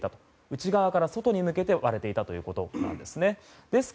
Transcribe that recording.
内側から外に向けて割れていたということなんです。